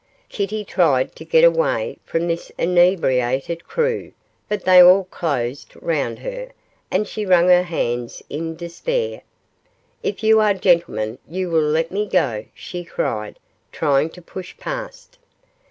Kitty tried to get away from this inebriated crew, but they all closed round her, and she wrung her hands in despair. 'If you are gentlemen you will let me go,' she cried, trying to push past.